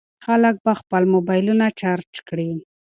خلک به خپل موبایلونه چارج کړي.